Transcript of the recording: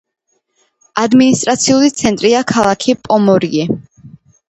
ადმინისტრაციული ცენტრია ქალაქი პომორიე.